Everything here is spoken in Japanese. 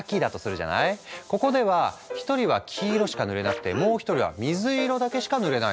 ここでは一人は黄色しか塗れなくてもう一人は水色だけしか塗れないの。